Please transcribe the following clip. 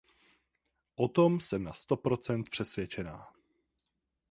O tom jsem na sto procent přesvědčená.